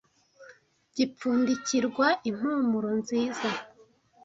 gipfundikirwa impumuro nziza